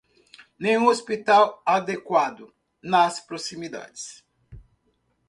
Nenhum hospital adequado nas proximidades